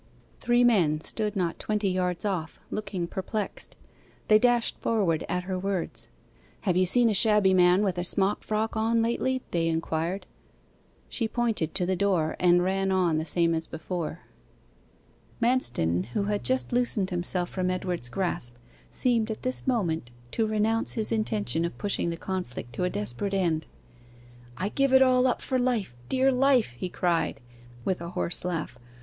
Three men stood not twenty yards off, looking perplexed. They dashed forward at her words. 'Have you seen a shabby man with a smock frock on lately?' they inquired. She pointed to the door, and ran on the same as before. Manston, who had just loosened himself from Edward's grasp, seemed at this moment to renounce his intention of pushing the conflict to a desperate end. 'I give it all up for life dear life!' he cried, with a hoarse laugh.